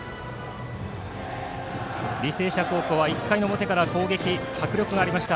履正社高校は１回表から攻撃に迫力がありました。